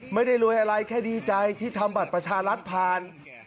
ไม่ได้รวยอะไรแค่ดีใจที่ทำบัตรประชารัฐผ่าน